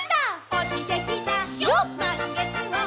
「おちてきたまんげつを」